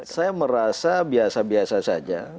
saya merasa biasa biasa saja